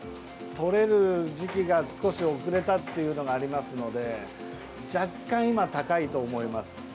取れる時期が少し遅れたっていうのがありますので若干、今高いと思います。